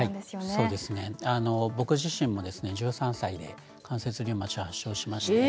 そうですね、僕自身も１３歳で関節リウマチを発症しました。